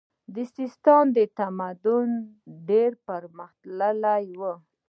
د سیستان تمدن ډیر پرمختللی و